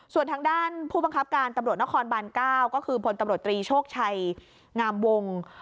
ส่วนทางด้านผู้บังคับการตำรวจนครบาน๙ก็คือพลตำรวจตรีโชคชัยงามวง